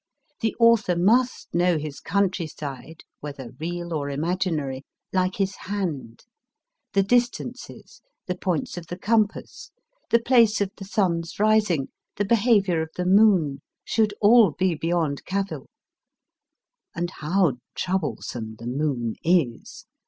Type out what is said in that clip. The author must know his countryside, whether real or imaginary, like his hand ; the distances, the points of the compass, the place of the sun s rising, the behaviour of the moon, should all be beyond cavil. And how troublesome the moon is